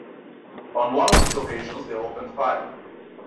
On one of these occasions, they opened fire.